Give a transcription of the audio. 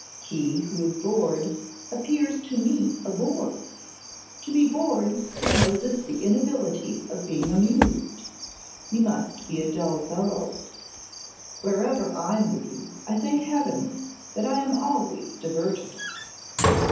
'He who is bored appears to me a bore. To be bored supposes the inability of being amused; you must be a dull fellow. Wherever I may be, I thank heaven that I am always diverted.